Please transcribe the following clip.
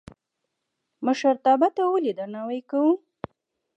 مشرتابه ته ولې درناوی کوو؟